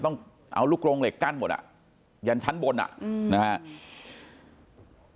ต้องเอาลูกโรงเหล็กกั้นหมดอ่ะยันชั้นบนอ่ะอืมนะฮะ